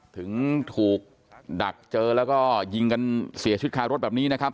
ถึงถูกดักเจอแล้วก็ยิงกันเสียชีวิตคารถแบบนี้นะครับ